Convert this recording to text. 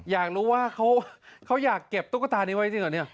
อยากรู้ว่าเขาอยากเก็บตุ๊กตานี้ไว้จริงเหรอเนี่ย